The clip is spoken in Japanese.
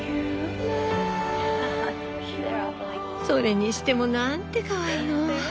それにしてもなんてかわいいの！